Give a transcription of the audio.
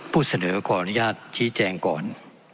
ผู้เสนอขออนุญาตชี้แจงก่อน